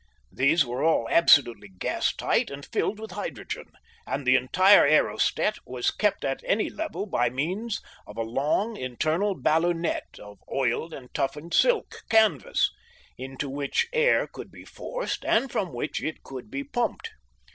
These were all absolutely gas tight and filled with hydrogen, and the entire aerostat was kept at any level by means of a long internal balloonette of oiled and toughened silk canvas, into which air could be forced and from which it could be pumped.